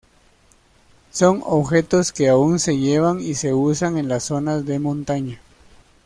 Son objetos que aún se llevan y se usan en las zonas de montaña.